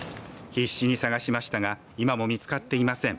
必死に探しましたが今も見つかっていません。